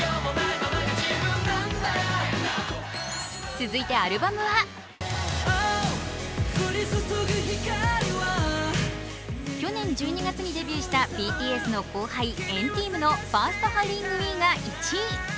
続いてアルバムは去年１２月にデビューしたＢＴＳの後輩＆ＴＥＡＭの「ＦｉｒｓｔＨｏｗｌｉｎｇ：ＷＥ」が１位。